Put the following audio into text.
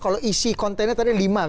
kalau isi kontennya tadi lima